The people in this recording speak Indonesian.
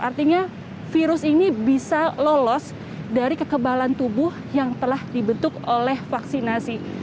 artinya virus ini bisa lolos dari kekebalan tubuh yang telah dibentuk oleh vaksinasi